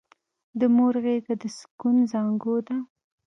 د مور غېږه د سکون زانګو ده!